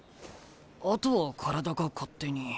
あとは体が勝手に。